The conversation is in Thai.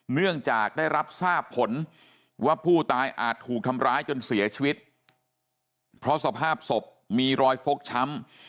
เนื่องจากได้รับทราบผลว่าผู้ตายอาจถูกทำร้ายจนเสียชีวิตเพราะสภาพศพมีรอยฟกช้ำ